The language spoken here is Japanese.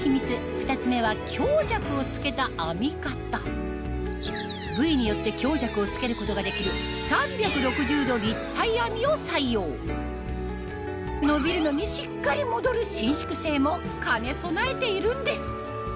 ２つ目は部位によって強弱をつけることができる３６０度立体編みを採用伸縮性も兼ね備えているんです